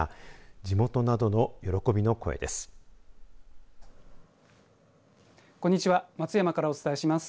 地元などの喜びの声です。